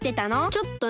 ちょっとね。